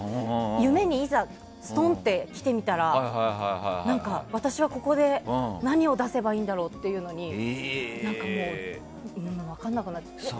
夢にいざ、すとんと来てみたら、私はここで何を出せばいいんだろうというのに何か分からなくなっちゃって。